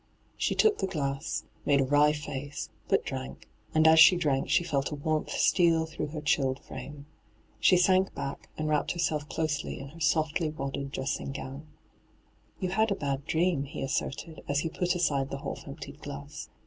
She took the glass, made a wry faee, but drank, and as she drank she felt a warmth steal through her chilled frame. She sank back and wrapped herself closely in her softly wadded dressing gown. * Yon had a bad dream,' he asserted, as he pat aside the half emptied glass.